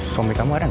suami kamu ada gak